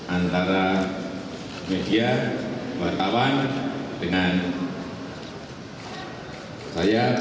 antara media wartawan dengan saya pak bapak